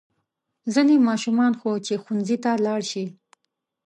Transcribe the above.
ځینې ماشومان خو چې ښوونځي ته لاړ شي.